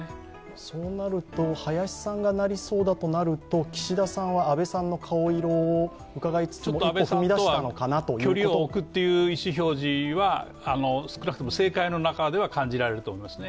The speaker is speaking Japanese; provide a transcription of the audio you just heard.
そうなると、林さんがなりそうだとなると、岸田さんは安倍さんの顔色をうかがいつつも安倍さんとは距離を置くという意思表示は、少なくとも政界の中では感じられると思いますね。